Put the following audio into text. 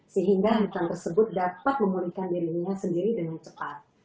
sehingga hutan tersebut dapat memulihkan dirinya sendiri dengan cepat